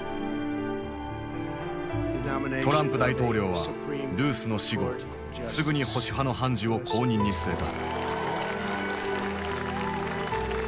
トランプ大統領はルースの死後すぐに保守派の判事を後任に据えた。